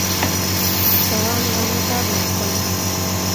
Kawo ano kametap lakwani?